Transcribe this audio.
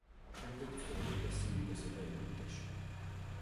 შემდეგ ცხოვრობდა სირიასა და ეგვიპტეში.